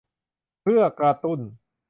เพื่อกระตุ้น